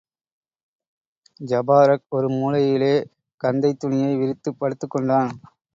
ஜபாரக் ஒரு மூலையிலே கந்தைத் துணியை விரித்துப் படுத்துக் கொண்டான்.